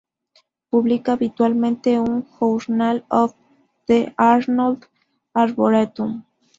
Publica habitualmente en Journal of the Arnold Arboretum.